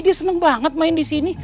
dia seneng banget main disini